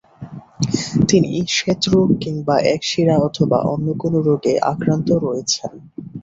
তিনি শ্বেত রোগ কিংবা একশিরা অথবা অন্য কোন রোগে আক্রান্ত রয়েছেন।